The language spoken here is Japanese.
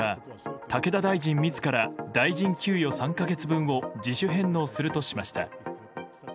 竹田大臣自ら大臣給与３か月分を自主返納するとしました。